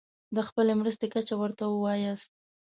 د خپلې مرستې کچه ورته ووایاست.